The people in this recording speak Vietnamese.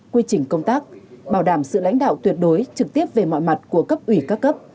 quy trình công tác bảo đảm sự lãnh đạo tuyệt đối trực tiếp về mọi mặt của cấp ủy các cấp